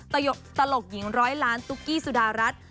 ตลกหญิงร้อยล้านตุ๊กกี้สุดารัฐ